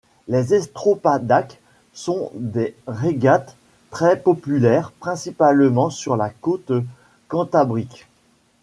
Les Estropadak sont des régates très populaires, principalement sur la côte cantabrique.